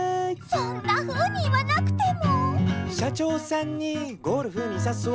そんなふうに言わなくても。